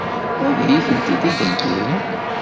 Ad iyi-tent-id-iheggi?